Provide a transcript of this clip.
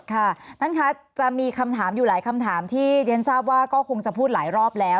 ค่ะท่านคะจะมีคำถามอยู่หลายคำถามที่เรียนทราบว่าก็คงจะพูดหลายรอบแล้ว